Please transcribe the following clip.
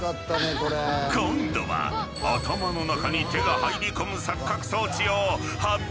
今度は頭の中に手が入り込む錯覚装置を発表した。